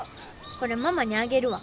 これママにあげるわ。